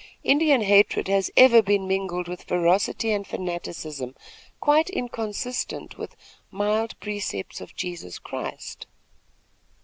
Indian hatred has ever been mingled with ferocity and fanaticism quite inconsistent with mild precepts of Jesus Christ.